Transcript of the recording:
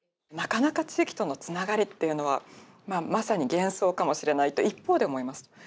なかなか地域とのつながりっていうのはまあまさに幻想かもしれないと一方で思います。